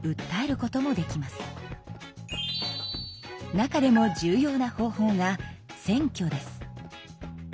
中でも重要な方法が選挙です。